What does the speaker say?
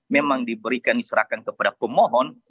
memang diberikan diserahkan kepada pemohon